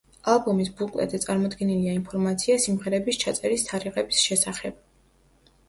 ალბომის ბუკლეტზე წარმოდგენილია ინფორმაცია სიმღერების ჩაწერის თარიღების შესახებ.